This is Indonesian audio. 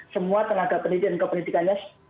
semua tenaga pendidikan dan kependidikannya